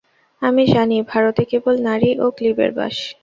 আমি জানি, ভারতে কেবল নারী ও ক্লীবের বাস।